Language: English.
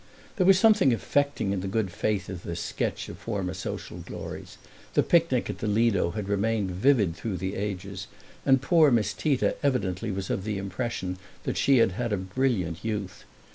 There was something affecting in the good faith of this sketch of former social glories; the picnic at the Lido had remained vivid through the ages, and poor Miss Tita evidently was of the impression that she had had a brilliant youth.